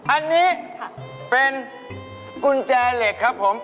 อันนี้เป็นกุญแจเหล็กครับผม